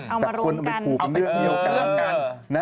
เอามารวมกันเอาเป็นเรื่องเดียวกัน